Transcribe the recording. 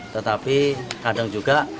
tetapi kadang juga